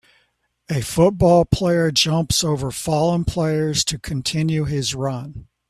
A football player jumps over fallen players to continue his run